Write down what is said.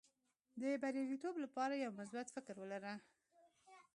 د بریالیتوب لپاره یو مثبت فکر ولره.